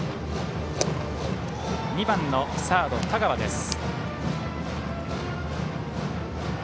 ２番のサード、田川です。